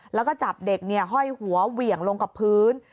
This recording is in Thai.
แล้วก็จับเด็กห้อยหัวเหวี่ยงลงกับพื้น